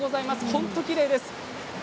本当にきれいです。